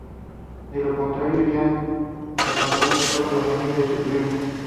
De lo contrario, iría a contarle todo a la familia de su primo.